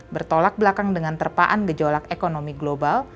bertolak belakang dengan terpaan gejolak ekonomi global